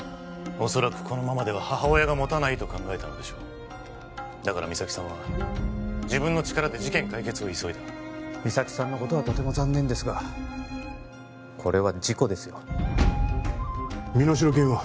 おそらくこのままでは母親がもたないと考えたのでしょうだから実咲さんは自分の力で事件解決を急いだ実咲さんのことはとても残念ですがこれは事故ですよ身代金は？